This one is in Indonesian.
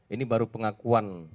ini baru pengakuan